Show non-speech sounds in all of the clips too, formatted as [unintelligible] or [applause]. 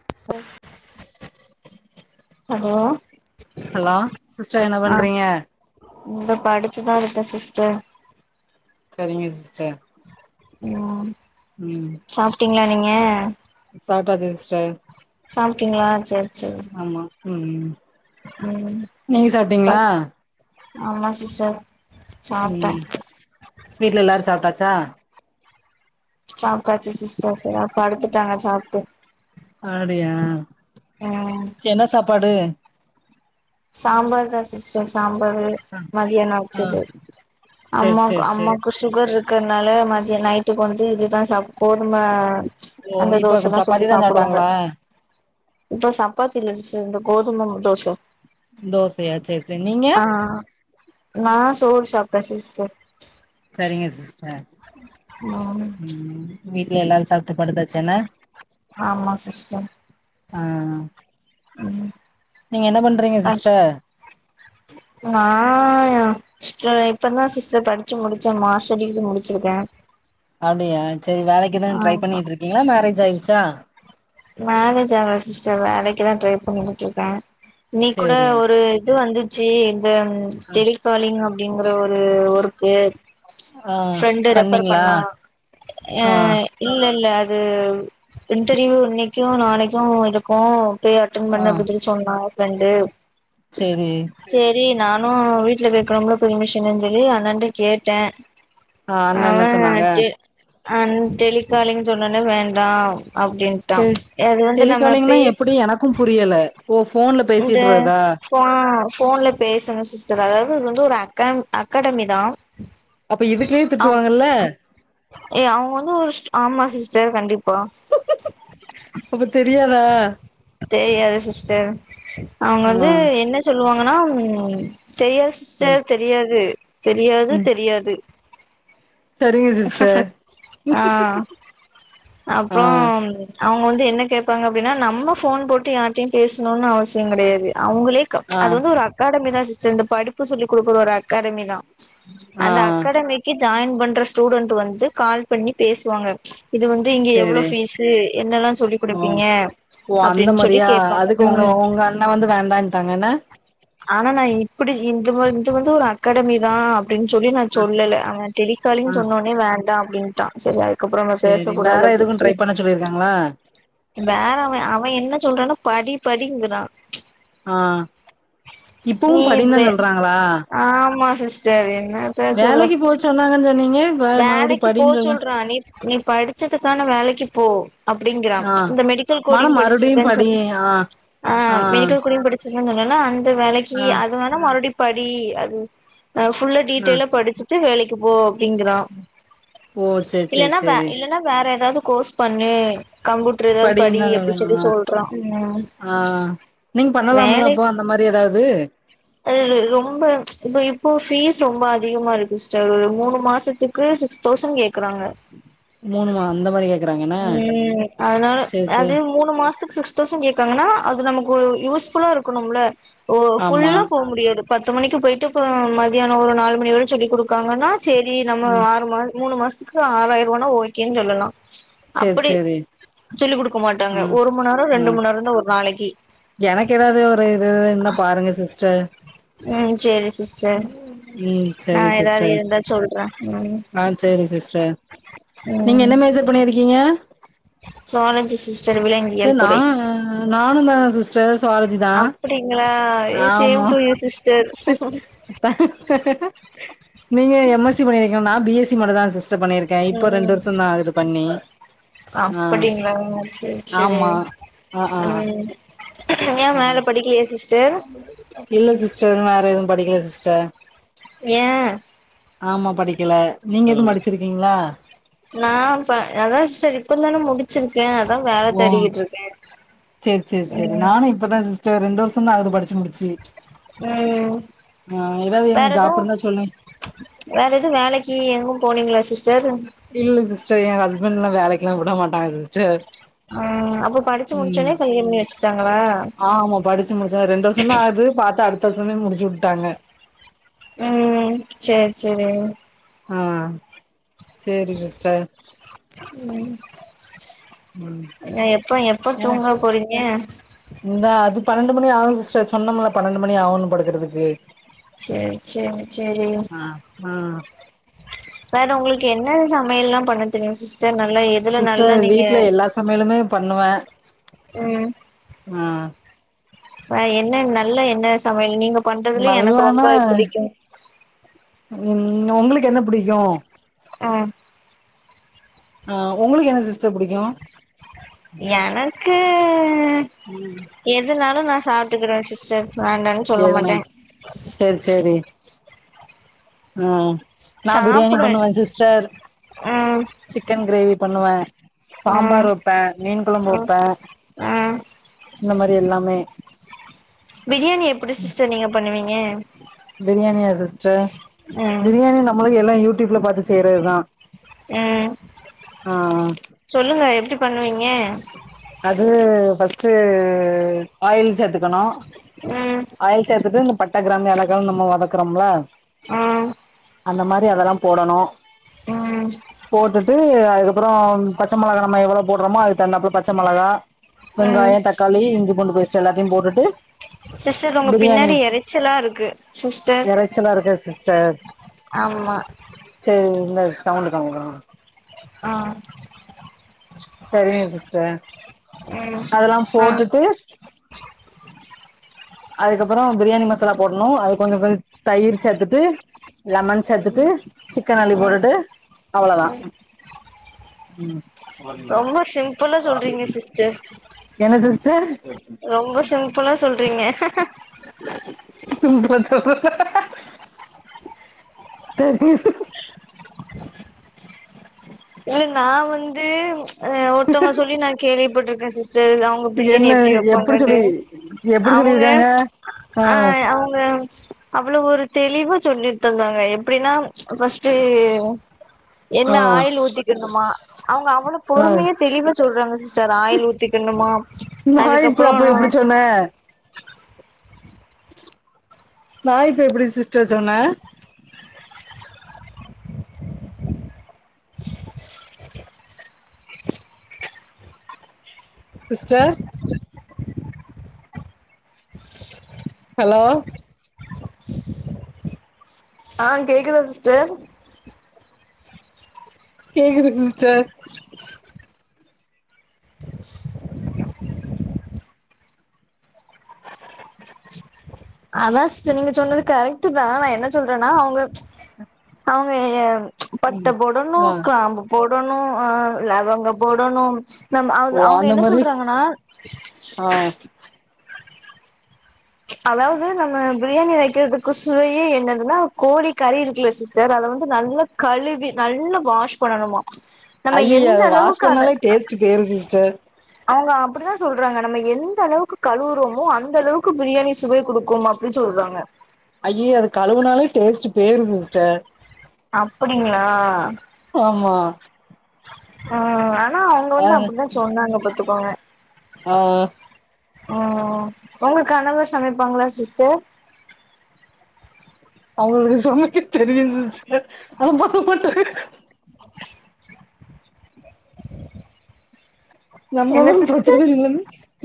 [inaudible] hello hello sister என்ன பண்றீங்க இந்த படுத்துதா இருக்க சிஸ்டர் சரிங்க சிஸ்டர் ம் சாப்ட்டீங்களா நீங்க சாப்டாச்சு சிஸ்டர் சாப்டிங்களா சேரி சேரி ஆமா ம் ம் நீங்க சாப்ட்டீங்களா ஆமா சிஸ்டர் சாப்ட்டே ம் வீட்ல எல்லாரு சாப்ட்டாச்சா சாப்டாச்சு சிஸ்டர் எல்லா படுத்துட்டாங்க சாப்டு அப்டியா ம் சேரி எண்ண சாப்பாடு சாம்பார் தா சிஸ்டர் சாம்பரு ச மதியானோ ஆ வெச்சது சரி அம்மாக்கு சரி சரி அம்மாக்கு சுகர்ருக்கறதுனால மதியோ நைட்டுக்கு வந்து இதுதா சாப் கோதும ஓ அந்த இப்ப தோசதா சப்பாத்தி சுட்டு தா சாப்டுவாங்க சாப்ட்டாங்களா இப்ப சப்பாத்தி இல்ல சிஸ்டர் இந்த கோதும தோச தோசையா சேரி ஆ நா சோறு சாப்ட சிஸ்டர் சரிங்க சிஸ்டர் ம் ம் வீட்ல எல்லாரு சாப் ட்டு படுத்தாச்சுன ஆமா சிஸ்டர் ஆ ம் நீங்க என்ன பண்றீங்க சிஸ்டர் நா ம் இப்பதா சிஸ்டர் படிச்சு முடிச்ச மாஸ்டர் டிகிரி முடிச்சிருக்கே அப்டியா சேரி வேலைக்கு எதான்னு ட்ரை ஆமா பண்ணிட்ருக்கீங்களா மேரேஜ் ஆயிருச்சா மேரேஜ் ஆகல சிஸ்டர் வேலைக்குதா ட்ரை பண்ணிகிட்ருக்க நீ கூட சரி ஒரு இது வந்துச்சு இந்த ம் டெலி காலிங் அப்டிங்கற ஒரு ஒர்க்கு ஆ ஃரெண்டு ரெஃபர் பண்ணீங்களா பண்ணா அ ஆ இல்ல இல்ல அது இன்டர்வியூ இன்னைக்கு நாளைக்கு இருக்கு போய் அட்டன் ஆ பண்ணு அப்டி சொல்லி சொன்னா ப்ரெண்டு சேரி சேரி நானு வீட்ல கேக்கணும்ல பெர்மிஸனுன்னு சொல்லி அண்ணன்ட்ட கேட்ட ஆ அண்ண அவ என்ன சொன்னாங்க டெ அ டெலிகாலிங் சொன்னோன்னே வேண்டா அப்டின் டெலி டெலிகாலிங்லா எப்டி எனக்கு புரியல ஓ ஃபோன்ல பேசிட்டு இருததா ப ஃபோன்ல பேசணு சிஸ்டர் அதாவது அது வந்து ஒரு அகா அகாடமி தா அப்ப இதுக்குலயே அவ் திட்டுவாங்கல்ல ஏ அவுங்க வந்து ஒரு ஷ் ஆமா சிஸ்டர் கண்டிப்பா அப்ப தெரியாதா தெரியாது சிஸ்டர் அவுங்க ஆ வந்து என்ன சொல்லுவாங்கன்னா ம் தெரியாது சிஸ் டர் தெரியாது தெரியாது ம் தெரியாது சரிங்க சிஸ்டர் ஆ ஆ அப்புறோ அவுங்க வந்து என்ன கேப்பாங்க அப்டின்னா நம்ம ஃபோன் போட்டு யார்ட்டயு பேசணுனு அவசிய கெடையாது அவுங்களே ஆ அது வந்து ஒரு அகாடமி தா சிஸ்டர் இந்த படிப்பு சொல்லி குடுக்குற ஒரு அகாடமி தா ஆ அந்த அகாடமிக்கு ஜாயின் பண்ற ஸ்டூடென்ட் வந்து கால் பண்ணி பேசுவாங்க இது வந் து இங்க எவ்ளோ சேரி பீஸு என்னல்லா சொல்லி ஓ குடுப்பீங்க ஓ அந்த அப்டின்னு சொல்லி மாரியா கேப்பாங்க அதுக்கு ஒங்க ம் உங்க அண்ணா வந்து வேண்டான்ட்டாங்க என்ன ஆனா நா இப்டி இது வந் இது வந்து ஒரு அகாடமி தா அப்டின்னு சொல்லி நா ஆ சொல்லல அவுங்க ஆ டெலிகாலி்ங் சொன்னோனே வேண்டா அப்டின்னு டா செரி அதுக்கப்றோ நம்ம சேரி வேற பேசக்கூடாது எதுக்கு அப்டிண்டு ட்ரை பண்ண சொல்லிருக்காங்களா வேற அவெ அவெ என்ன சொல்றானா படி படிங்குறா ஆ இப்பவும் படின்தா நீர்வே சொல்றாங்களா ஆமா சிஸ்டர் என்ன வேலைக்கு போச் சொன்னாங்கன்னு சொன்னீங்க இப்ப மறுபடியு வேலைக்கு போ படின்னு சொல்ற சொல்றா நீ நீப் படிச்சதுக்கான வேலைக்கு போ அப்டிங்குறா ஆ இந்த மெடிக் கல் ஆனா கோடிங் மறுபடியு படிச்ருக்கேன் படி சொன் ஆ அ ஆ மெடிகல் கோடிங் [unintelligible] சென்னனா அந்த வேலைக்கு ஆ அது வேணா மறுடி படி அது ஃபுல் ஆ டீடெய்லா படிச்சுட்டு வேலைக்கு போ அப்டிங்குறா ஓ சேரி சேரி இல்லன்னா வே சேரி இல்லன்னா வேற ஏதாவது கோர்ஸ் பண்ணு கம்பூட் ட்ர் எதாது படி படின்னுதா அப்டி சொல்றாங்க சொல்லி ஆ சொல்றா ம் ஆ நீங்க பண்ணலாம்ல வேலை அப்போ அந்த மாரி எதாவது அ ரொம்ப இ இப்போ ஃபீஸ் ரொம்ப அதிகமா இருக்கு சிஸ்டர் ஒரு மூணு மாசத்து க்கே சிக்ஸ் தௌசண்ட் கேக்குறாங்க மூணு மா அந்த மாரி கேக்குறாங்க என்ன ம் அதுனால சேரி சேரி அதே மூணு மாசத்துக்கு சிக் தவுசன் கோங்கான்னா அது நமக்கு ஒ யூஸ்ஃபுல்லா இருக்கனும்ல ஒ ஆமா ஃபுல்லா போ முடியாது பத்து மணிக்கு போயிட்டு இப்போ மதியான ஒரு நாலு மணி வரை சொல்லிக் குடுக்காங்கன்னா சேரி நம்ம ம் ஆறு மா மூணு மாசத்துக்கு ஆறாயிரரூவானா ஓகேன்னு சொல்லலா சேரி அப்டி சேரி சொல்லிக் குடுக்க மாட்டாங்க ம் ஒரு மண் நேரோ ரெண்டு ம் மண் நேரம்ந்தா ஒரு நாளைக்கு எனக்கு எதாவது ஒரு இது இருந்தா பாருங்க சிஸ்டர் ம் சேரி சிஸ்டர் ம் நா சேரி எதாவது சிஸ்டர் இருந்தா சொல்றே ம் ஆ சேரி சிஸ்டர் நீங்க ம் என்ன மேஜர் பண்ணிருக்கீங்க சுவாலஜி சிஸ்டர் சார் விலங்கியல் நா துறை நானு தா சிஸ் டர் சுவாலஜிதா அப்டிங்களா ஏ சேம் ஆமா டு யூ சிஸ்டர் நீங்க எம் எஸ் சி பண்ணிருக்க நா பி எஸ் சி மட்டுதா சிஸ் அக்சப்ட் பண்ணிருக்கே இப்போ ரெண்டு ம் வருஷோ தா ஆகுது பண்ணி ஆ அப்டிங்களா சேர் சேரி ஆமா ஆ ஆ ம் ஏ ஆ மேல படிக்கலையா சிஸ்டர் இல்ல சிஸ்டர் வேற எதுவு படிக்கல சிஸ்டர் ஏ ஆமா படிக்கல நீங்க எதுவு படிச்சிருக்கீங்களா நா பா அதா சிஸ்டர் இப்பந்தான முடி ச்சுருக்கே அதா வேல ஓ தேடிகிட்டு இருக்கே சேரி சேரி சேரி ம் நானு இப்பதா சிஸ்டர் ரெண்டு வருஷோ தா ஆகுது படுச்சு முடுச்சு ம் ஆ ஏதாவ்து வேற எனக்கு எதுவு ஜாப்ருந்தா சொல்லுங் வேற எதுவு வேலக்கீ எங்கு போனீங்களா சிஸ்டர் இல்ல சிஸ்டர் ஏ ஹஸ்பண்ட்ல்லா வேலைக்கெல்லா விட மாட்டாங்க சிஸ்டர் ம் அப்ப படிச்சு ம் முடிச்சோனே கல்யாணம் பண்ணி வச்சுட்டாங்களா ஆமா படிச்சு முடிச்சு ரெண்டு வர்ஷோ தா ஆது பாத்தா அடுத்த வருசமே முடுச்சு விட்டாங்க ம் சேர் சேரி ஆ சேரி சிஸ்டர் ம் ம் அ எப்ப எப்போ தூங்க போறீங்க இந்தா அது பன்னெண்டு மணி ஆகு சிஸ்டர் சொன்னோம்ல பன்னெண்டு மணி ஆகு படுக்குறதுக்கு செர் செர் செரி ஆ வேற உங்களுக்கு என்ன சமையல் எல்லாம் பண்ண தெரியும் சிஸ் சிஸ்டர் வீட்டுல எல்லா சமையலுமே பண்ணுவே ஆ ஆ என்ன நல்ல என்ன சமையல் நீங்க பண்றதுலயே எனக்கு நல்லானா ரொம்ப புடிக்கு ம் ஒங்களுக்கு என்ன பிடிக்கு ஆ ஆ உங்களுக்கு என்ன சிஸ்டர் புடிக்கு எனக்கு ம் எதுனாலு நா சாப்புட்டுக்குறே சிஸ்டர் டுவேண்டாங் ஏதுனா செரி செரி ம் நா ப்ரியாணி சாப்டுவே பண்ணுவே சிஸ்டர் ம் சிக்கன் கிரேவி பண்ணுவே ம் சாம்பார் வப்பே மீன் கொழம்பு ம் வப்பே ம் இந்த மாதிரி எல்லாமே பிரியாணி எப்புடி சிஸ்டர் நீங்க பண்ணுவீங் பிரியாணியா சிஸ்டர் ம் பிரியாணி நா மொளகி எல்லா யூடியூப்ல பாத்து செய்யறதுதா ம் ஆ சொல்லுங்க எப்டி பண்ணுவீங்க அது ஃபஸ்ட்டு ஆயில் சேத்துக்கணு ம் ஆயில் சேத்துட்டு இந்த பட்ட கிராம்பு ஏலக்காவ நம்ப வதக்குறோம்ல ஆ அந்த மாதிரி அதெல்லா போடணு ம் போட்டுட்டு அதுகப் அப்றோ பச்ச மொளகா நம்ம எவ்ளோ போடுறோமோ அதுக்கு தகுந்தாப்ல பச்ச மொளகா ம் வெங்காயோ தக்காளி இஞ்சி பூண்டு பேஸ்ட் எல்லாத்தையு போட்டுட்டு சிஸ்டர் உங்க பிரியாணி பின்னாடி எறச்சல்லா இருக்கு சிஸ்டர் எறைச்சலா இருக்கு ஆம்மா சேரி இல்ல சவுண்டு கம்மி பண்ணுங்க ஆ சரியா சிஸ்டர் அதெல்லா ஆ போட்டுட்டு அதுக்கப்பறோ பிரியாணி மசாலா போட்ணு அது கொஞ்சோ கொஞ்சோ தயிர் சேத்துட்டு லெமன் சேத்துட்டு சிக்கன் அள்ளி ம் போட்டுட்டு அவ்வளதா ம் ம் போதுமில்ல ரொம்ப சிம்பிளா சொல்றீங்க சிஸ்டர் என்ன சிஸ்டர் ரொம்ப சிம்பிளா சொல்றீங்க [unintelligible] தெரியுது இல்ல நா வந்து அ ஒருத்தங்க சொல்லி நா கேள்விப்பட்ருக்கே சிஸ்டர் [unintelligible] அவங்க பிரியாணி என்ன எப்படி எப்டி வெப்பாங்க சொல்லி எப்டி அவுங்க சொல்லிருக்காங்க ஆ அவு ங்க அவ்ளோ ஒரு தெளிவா சொல்லித்தந்தாங்க எப்படின்னா தி என்ன ஆ ஆயில் ஊத் கணுமா அவங்க அவ்வளோ ஆ பொறுமையா தெளிவா சொல்றாங்க சிஸ்டர் ஆயில் ஊத்திக்கணுமா நா எப்ப அதுக்கப்றோ அப்ப எப்டி சொன்னே நா இப்ப எப்டி சிஸ்டர் சொன்னே சிஸ்டர் சிஸ்டர் ஹலோ ஆ கேக்குதா சிஸ்டர் கேக்குது சிஸ்டர் [inaudible] அத்தா சிஸ்டர் நீங்க சொன்னது கரெக்ட் தா நா என்ன சொல்றேன்னா அவுங்க அ அவுங்க ஏ பட்டை போடணு கிராம்பு போடணு ஆ லவங்கோ போடணு நம் அவு ஓ அவுங்க அந்த என்ன மாரி சொல்றாங்கன்னா ஆ அதாவது நம்ம பிரியாணி வெக்கிறதுக்கு சுவையே என்னதுன்னா கோழி கறி இருக்குல்ல சிஸ்டர் அத வந்து நல்லா கழுவி நல்லா வாஷ் பண்ணணுமா நம்ம ஐய்யய்ய எந்த வாஷ் அளவுக்கு அத பண்ணாலே டேஸ்ட் போயிரும் சிஸ்டர் அவங்க அப்டிதா சொல்றாங்க நம்ம எந்த அளவுக்கு கழுவுறமோ அந்த அளவுக்கு பிரியாணி சுவை குடுக்கும் அப் இப்டி சொல்றாங்க ஐய்யோ அது கழுவுனாலே டேஸ்ட் போயிரும் சிஸ்டர் அப்டிங்ளா ஆமா ஆ ஆனா அவுங்க அ வந்து அப்டித்தா சொன்னாங்க பாத்துக்கோங்க ஆ ம் உங்க கணவர் சமைப்பாங்ளா சிஸ்டர் அவுங்களுக்கு சமைக்க தெரியு சிஸ்டர் ஆனா பண்ண மாட்டாரு [unintelligible] என்ன சிஸ்டர்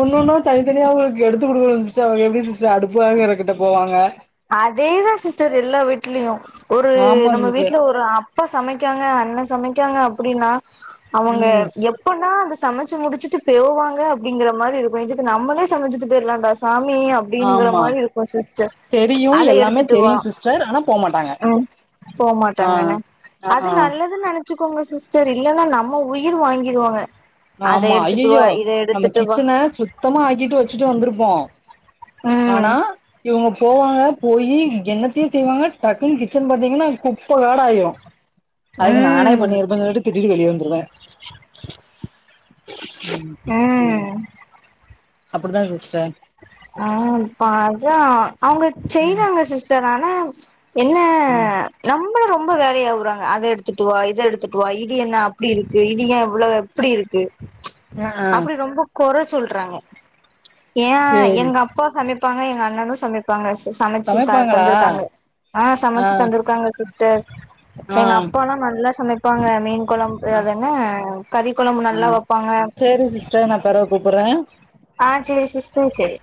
ஒன் ஒன்னா தனித்தனியா அவுங்களுக்கு எடுத்து குடுக்கணு சிஸ்டர் அவுங்க எப்டி சிஸ்டர் அடுப்பாங்கறகிட்ட போவாங்க அதேதா சிஸ்டர் எல்லா வீட்லயு ஒரு ஆமா நம்ம சிஸ்டர் வீட்ல ஒரு அப்பா சமைக்காங்க அண்ண சமைக்காங்க அப்டின்னா அவுங்க ம் எப் எப்பின்னா அத சமச்சு முடிச்சுட்டு பேவ்வாங்க அப்டிங்கிற மாரி இருக்கு இதுக்கு நம்மளே சமச்சிட்டு போயர்லான்டா சாமி அப்டிங்கிற ஆமா மாரி இருக்கு சிஸ்டர் தெரியு அத எல்லாமே எடுத்துட்டு வா தெரியு சிஸ்டர் ஆனா போமாட்டாங்க ம் ஆ போமாட்டாங்கன்னு ஆ அது ஆ நல்லதுன் நனச்சுக்கோங்க சிஸ்டர் இல்லன்னா நம்ம உயிர் வாங்கிருவாங்க அத ஆமா எடுத்துட்டு ஐய்யயோ வா இத நம்ம எடுத்துட்டு வா கிச்சன சு சுத்தமா ஆக்கிட்டு வச்சுட்டு வந்துருப்போ ஆனா ம் இவுங்க போவாங்க போயி என்னத்தையு செய்வாங்க டக்குன்னு கிச்சன் பாத்தீங்கன்னா குப்ப காடு ஆயிரு அதுக்கு நானே ம் பண்ணிருப்ப சொல்லிட்டு திட்டிட்டு வெளிய வந்துருவ ம் ம் அப்படி தா சிஸ்டர் ஆ இப்ப அதா அவுங்க ம் செய்றாங்க சிஸ்டர் ஆனா என்ன ம் நம்மள ரொம்ப வேலை ஏவுறாங்க அத எடுத்துட்டு வா இத எடுத்துட்டு வா இது என்ன அப்படி இருக்கு இது ஏ எவ்ளோ எப்டி இருக்கு ஆ ஆ அப்படி ரொம்ப கொற சொல்றாங்க ஏ சேரி எங்க அப்பா சமைப்பாங்க எங்க அண்ணனு சமைப்பாங்க ச சமச்சு த சமைப்பாங்களா தந்திருக்காங்க ஆ‌ ஆ சமச்சு தந்திரு க்காங்க சிஸ்டர் ஆ எங்க அப்பால்லா நல்லா சமைப்பாங்க மீன் கொழம் ஆ அது என்ன கறி கொழம்பு ஆ நல்லா வப்பாங்க சேரி சிஸ்டர் நா பெறவு கூப்பற ஆ சேரி சிஸ்டர் சேரி